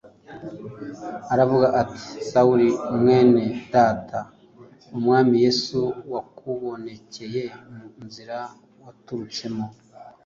aravuga ati, “Sawuli mwene Data, Umwami Yesu wakubonekereye mu nzira waturutsemo,